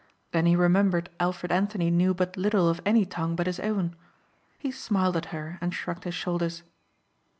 Then he remembered Alfred Anthony knew but little of any tongue but his own. He smiled at her and shrugged his shoulders.